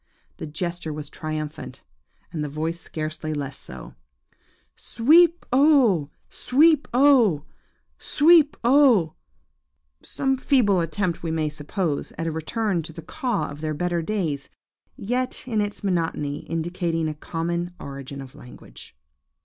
The gesture was triumphant, and the voice scarcely less so,–Sweep o oh! Sweep oh! Sweep oh ! Some feeble attempt, we may suppose, at a return to the caw of their better days, yet, in its monotony, indicating a common origin of language.